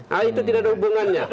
hal itu tidak ada hubungannya